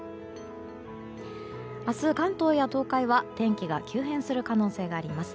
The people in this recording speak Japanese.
明日、関東や東海は天気が急変する可能性があります。